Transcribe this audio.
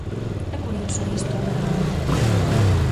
É curioso isto, a verdade.